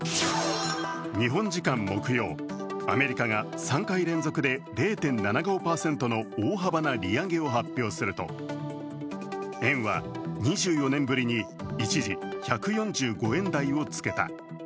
日本時間木曜、アメリカが３回連続で０．７５％の大幅な利上げを発表すると、円は２４年ぶりに一時１４５円台をつけた。